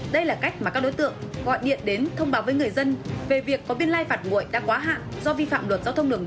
đây là cách mà các đối tượng gọi điện đến thông báo với người dân về việc có biên lai phạt nguội đã quá hạn do vi phạm luật giao thông đường bộ